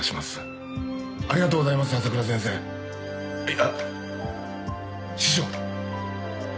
いや師匠！